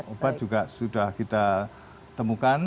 obat juga sudah kita temukan